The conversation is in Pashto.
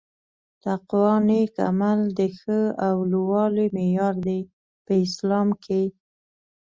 تقوا نيک عمل د ښه او لووالي معیار دي په اسلام کي